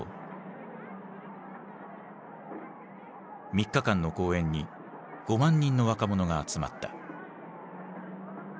３日間の公演に５万人の若者が集まった。